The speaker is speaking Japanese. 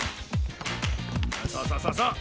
そうそうそうそうそう！